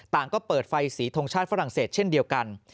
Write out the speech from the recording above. ก็เปิดไฟสีทงชาติฝรั่งเศสเช่นเดียวกัน